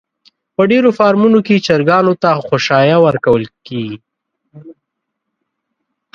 په ډېرو فارمونو کې چرگانو ته خؤشايه ورکول کېږي.